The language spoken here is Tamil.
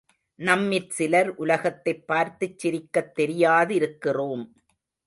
நம்மிற் சிலர் உலகத்தைப் பார்த்துச் சிரிக்கத் தெரியாதிருக்கிறோம்.